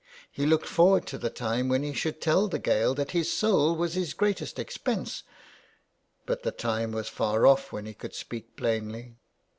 He looked forward tothe timewhen he should tell the Gael that his soul was his greatest expense, but the time was far off when he could speak plainly.